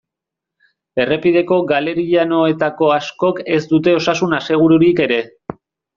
Errepideko galerianoetako askok ez dute osasun asegururik ere.